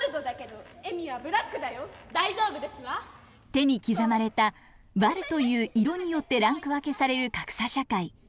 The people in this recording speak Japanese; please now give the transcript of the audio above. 手に刻まれたヴァルという色によってランク分けされる格差社会。